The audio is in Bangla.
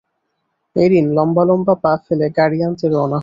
এরিন লম্বা লম্বা পা ফেলে গাড়ি আনতে রওনা হল।